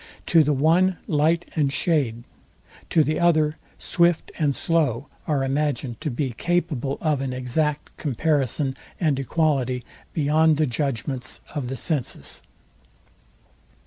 To the one light and shade; to the other swift and slow are imagined to be capable of an exact comparison and equality beyond the judgments of the senses.